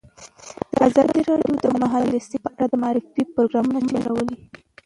ازادي راډیو د مالي پالیسي په اړه د معارفې پروګرامونه چلولي.